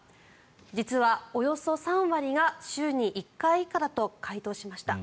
実はおよそ３割が週に１回以下だと回答しました。